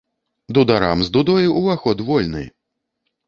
Дударам з дудой уваход вольны!